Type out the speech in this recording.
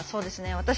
私